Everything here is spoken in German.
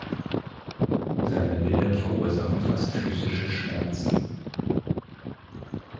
Seine Bilder verursachen fast physische Schmerzen.